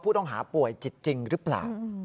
ผู้ต้องหาป่วยจิตจริงหรือเปล่า